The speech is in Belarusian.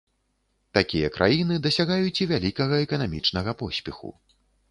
Такія краіны дасягаюць і вялікага эканамічнага поспеху.